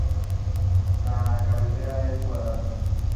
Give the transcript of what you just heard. La cabecera es cuadrada.